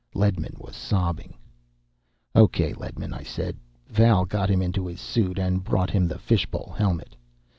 Ledman was sobbing. "Okay, Ledman," I said. Val got him into his suit, and brought him the fishbowl helmet.